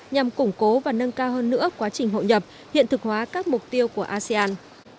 nhằm củng cố và nâng cao hơn nữa quá trình hội nhập hiện thực hóa các mục tiêu của asean